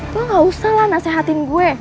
lo gak usah lah nasehatin gue